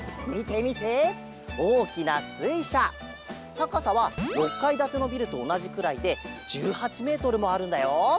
たかさは６かいだてのビルとおなじくらいで１８メートルもあるんだよ！